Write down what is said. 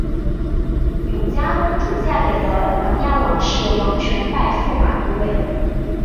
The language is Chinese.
永嘉公主嫁给了琅琊王氏王铨拜驸马都尉。